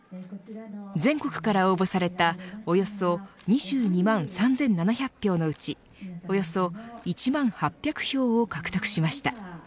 全国から応募された、およそ２２万３７００票のうちおよそ１万８００票を獲得しました。